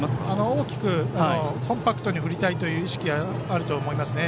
大きくコンパクトに振りたいという意識はあると思いますね。